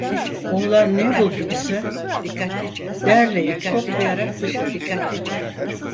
Oğlan ne buldu ise derleyip toplayarak dışarı çıktı.